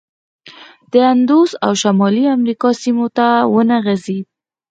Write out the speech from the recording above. دا د اندوس او شمالي امریکا سیمو ته ونه غځېد.